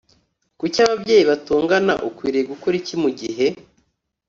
kuki ababyeyi batongana ukwiriye gukora iki mu gihe